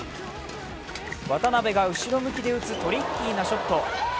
渡辺が後ろ向きで打つトリッキーなショット。